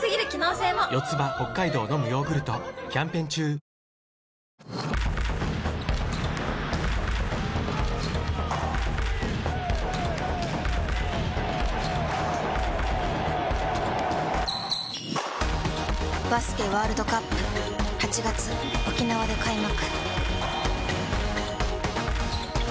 三井不動産バスケワールドカップ８月沖縄で開幕